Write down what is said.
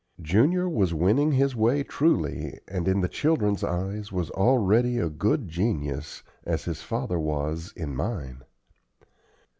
Junior was winning his way truly, and in the children's eyes was already a good genius, as his father was in mine.